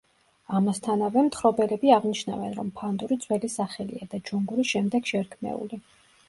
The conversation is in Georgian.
ამასთანავე, მთხრობელები აღნიშნავენ, რომ „ფანდური“ ძველი სახელია და „ჩონგური“ შემდეგ შერქმეული.